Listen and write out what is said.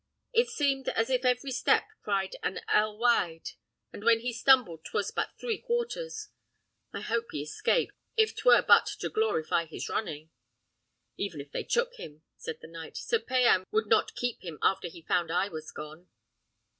It seemed as if every step cried out ell wide; and when he stumbled 'twas but three quarters. I hope he escaped, if 'twere but to glorify his running." "Even if they took him," said the knight, "Sir Payan would not keep him after he found I was gone."